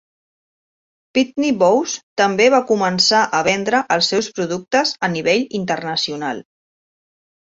Pitney Bowes també va començar a vendre els seus productes a nivell internacional.